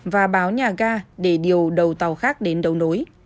và báo nhà ga để điều đầu tàu khác đến đầu nối